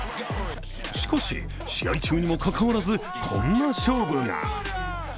しかし、試合中にもかかわらずこんな勝負が。